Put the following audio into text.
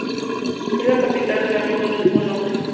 Es la capital de la región del mismo nombre.